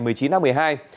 quận tây hồ và hoàn kiếm